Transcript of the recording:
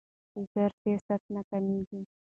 د زور سیاست ناکامېږي